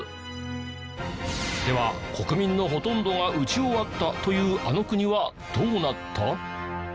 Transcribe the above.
では国民のほとんどが打ち終わったというあの国はどうなった？